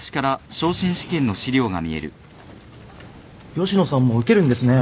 吉野さんも受けるんですね。